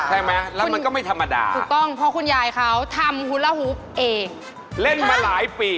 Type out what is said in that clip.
อ่าฮรือนะไม่มั้ยแล้วมันก็ไม่ธรรมดา